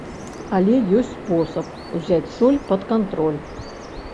Але ёсць спосаб узяць соль пад кантроль.